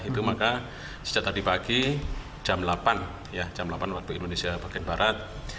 itu maka sejak tadi pagi jam delapan jam delapan waktu indonesia bagian barat